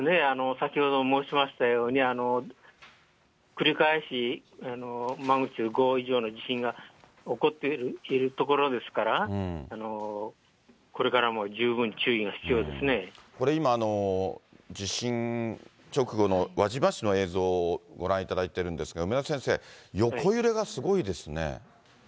先ほど申しましたように、繰り返しマグニチュード５以上の地震が起こっている所ですから、これ、今、地震直後の輪島市の映像をご覧いただいているんですが、梅田先生、横揺れがすごいですね。